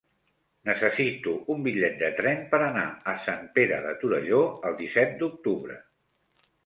Necessito un bitllet de tren per anar a Sant Pere de Torelló el disset d'octubre.